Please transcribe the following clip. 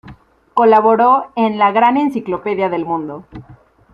Colaboró en la "Gran Enciclopedia de Mundo".